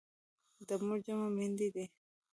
د مور جمع میندي دي.